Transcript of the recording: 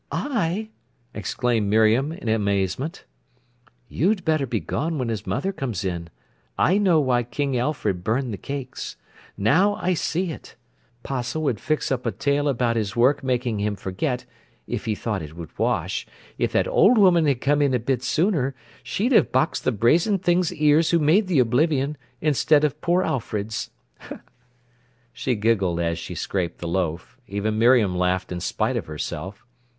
"I!" exclaimed Miriam in amazement. "You'd better be gone when his mother comes in. I know why King Alfred burned the cakes. Now I see it! 'Postle would fix up a tale about his work making him forget, if he thought it would wash. If that old woman had come in a bit sooner, she'd have boxed the brazen thing's ears who made the oblivion, instead of poor Alfred's." She giggled as she scraped the loaf. Even Miriam laughed in spite of herself.